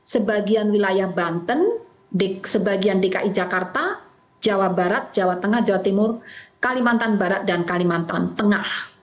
sebagian wilayah banten di sebagian dki jakarta jawa barat jawa tengah jawa timur kalimantan barat dan kalimantan tengah